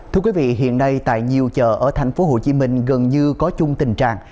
thưa quý vị hiện nay tại nhiều chợ ở thành phố hồ chí minh gần như có chung tình trạng